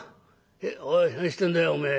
「おい何してんだよおめえ。